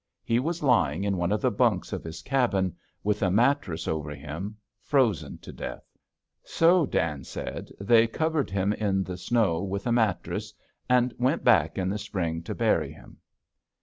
He was lying in one of the bunks of his cabin with a mattress over him, frozen to death. So, Dan said, they covered him in the snow with a mattress, and went back in the spring to bury him.